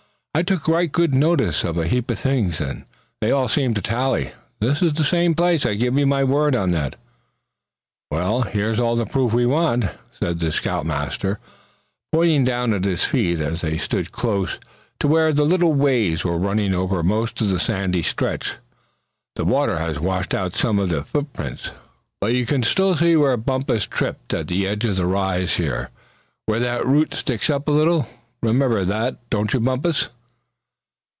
"I took right good notice of a heap of things, and they all seem to tally. This is the same place, I give you my word on that." "Well, here's all the proof we want," said the scout master, pointing down at his feet, as they stood close to where the little waves were running over most of the sandy stretch. "The water has washed out some of our footprints; but you can still see where Bumpus tripped at the edge of the rise here, where that root sticks up a little. Remember that, don't you Bumpus?"